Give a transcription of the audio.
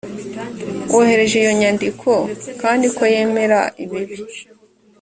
wohereje iyo nyandiko kandi ko yemera ibiri